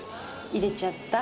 入れちゃった。